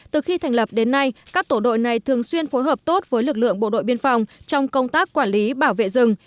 từ khi thành lập đến nay các tổ đội này thường xuyên phối hợp tốt với lực lượng bộ đội biên phòng trong công tác quản lý bảo vệ rừng